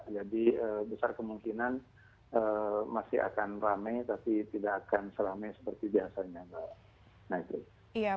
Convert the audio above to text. jadi besar kemungkinan masih akan rame tapi tidak akan selame seperti biasanya